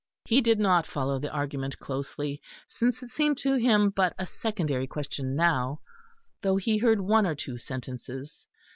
He did not follow the argument closely, since it seemed to him but a secondary question now; though he heard one or two sentences.